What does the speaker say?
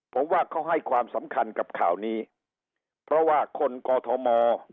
ผมว่าเขาให้ความสำคัญกับข่าวนี้เพราะว่าคนกอทม